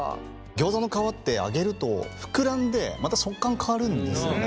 ギョーザの皮って揚げると膨らんでまた食感変わるんですよね。